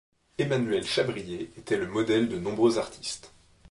Emmanuel Chabrier était le modèle de nombreux artistes.